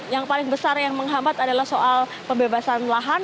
yang paling besar yang menghambat adalah soal pembebasan lahan